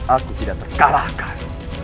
aku tidak terkalahkan